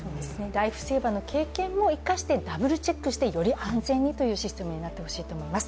ライフセーバーの経験も生かしてダブルチェックしてより安全にというシステムになってほしいと思います。